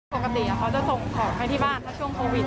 ปกติเขาจะส่งของให้ที่บ้านถ้าช่วงโควิด